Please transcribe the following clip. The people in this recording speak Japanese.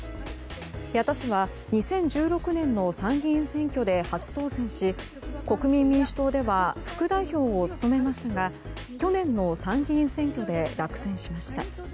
矢田氏は２０１６年の参議院選挙で初当選し国民民主党では副代表を務めましたが去年の参議院選挙で落選しました。